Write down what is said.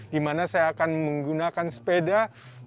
dimana saya akan menggunakan sepeda sepeda